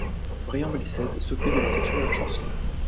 Brian Blessed s'occupe de l'écriture de la chanson '.